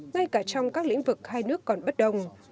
ngay cả trong các lĩnh vực hai nước còn bất đồng